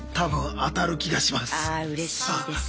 ああうれしいです。